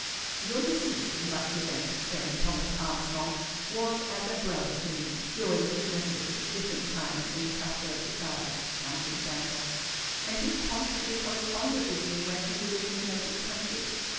"Your deceased and much lamented friend Thomas Armstrong was as a brother to me, during his residence at different times in Castelcicala," answered the banker; "and he constantly corresponded with me when he was in his native country.